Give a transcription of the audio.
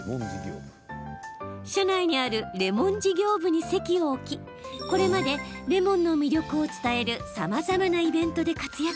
社内にあるレモン事業部に籍を置き、これまでレモンの魅力を伝えるさまざまなイベントで活躍。